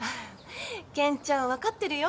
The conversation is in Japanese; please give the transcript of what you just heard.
健ちゃん分かってるよ。